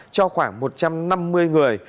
cho khoảng một trăm năm mươi người